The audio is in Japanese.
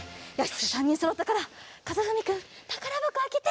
じゃあ３にんそろったからかずふみくんたからばこあけて。